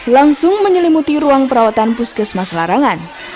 langsung menyelimuti ruang perawatan puskesmas larangan